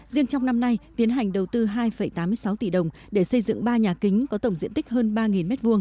riêng trong năm nay tiến hành đầu tư hai tám mươi sáu tỷ đồng để xây dựng ba nhà kính có tổng diện tích hơn ba m hai